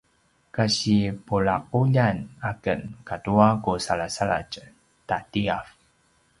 kasi pulaquljan aken katua ku salasaladj ta tiyav